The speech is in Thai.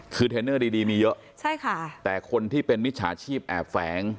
คือเทรนเนอร์ดีดีมีเยอะใช่ค่ะแต่คนที่เป็นมิจฉาชีพแอบแฝง